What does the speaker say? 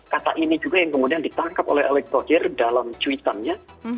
kata ini juga yang kemudian ditangkap oleh alec thauhir dalam tweet annya